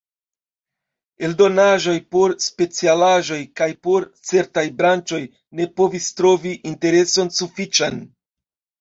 Eldonaĵoj por specialaĵoj kaj por certaj branĉoj ne povis trovi intereson sufiĉan.